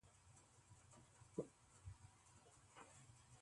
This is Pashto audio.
هېڅکله يوه ډېره اوږده موده ګڼل کېږي.